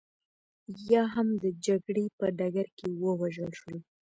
یا هم د جګړې په ډګر کې ووژل شول